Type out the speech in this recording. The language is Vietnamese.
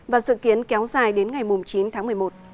và dự kiến kéo dài đến ngày chín tháng một mươi một